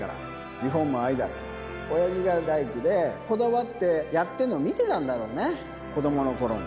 リフォームは愛だ、おやじが大工でこだわってやってるの、見てたんだろうね、子どものころに。